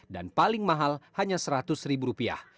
dan paling mahal hanya seratus ribu rupiah